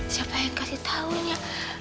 siapa yang kasih tahunya